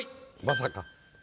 まさか。